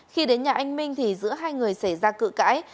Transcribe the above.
khi đến nhà anh minh thì giữa hai người xảy ra cự cãi